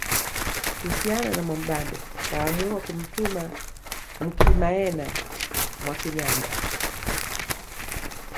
Kuhusiana na Mwamubambe akaamua kumtuma Mukimayena Mwakinyaga